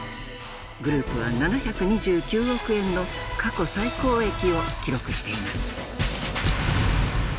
グループは７２９億円の過去最高益を記録しています。